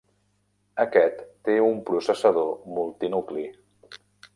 Aquest té un processador multinucli.